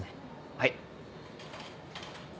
はい。